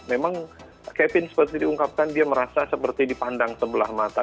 memang kevin seperti diungkapkan dia merasa seperti dipandang sebelah mata